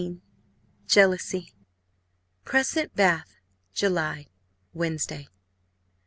JEALOUSY. "Crescent, Bath, July Wednesday.